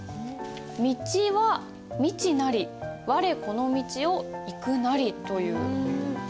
「道は未知なり我この未知を行くなり」という作品です。